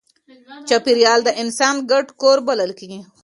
چاپېریال د انسان ګډ کور بلل کېږي.